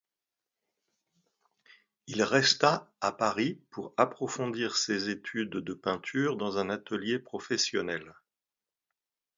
Il resta à Paris pour approfondir ses études de peinture dans un atelier professionnel.